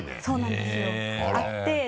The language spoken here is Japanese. そうなんですよあって。